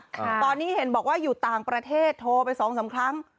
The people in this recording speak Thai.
ตอนนี้เห็นบอกว่าอยู่ต่างประเทศโทรไปสองสามครั้ง